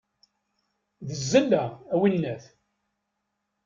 D zzella, a winnat!